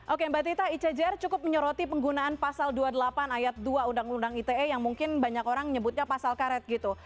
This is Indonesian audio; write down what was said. oke mbak tita icjr cukup menyoroti penggunaan pasal dua puluh delapan ayat dua undang undang ite yang mungkin banyak orang nyebutnya pasal karet gitu